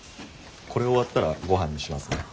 これ終わったらごはんにしますね。